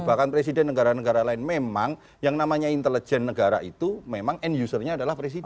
bahkan presiden negara negara lain memang yang namanya intelijen negara itu memang end usernya adalah presiden